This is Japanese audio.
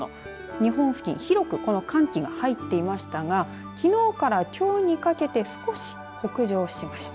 日本付近、広くこの寒気が入っていましたがきのうからきょうにかけて少し北上しました。